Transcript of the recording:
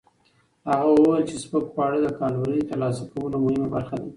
هغه وویل چې سپک خواړه د کالورۍ ترلاسه کولو مهمه برخه ده.